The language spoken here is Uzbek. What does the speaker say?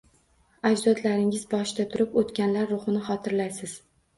Ajdodlaringiz boshida turib o’tganlar ruhini xotirlaysiz.